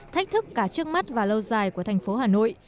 thách thức cả trước mắt và lâu dài của thành phố hà nội